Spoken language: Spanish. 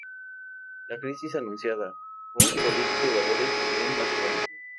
La crisis anunciada" o "Política y valores en Vasconia".